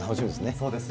そうですね。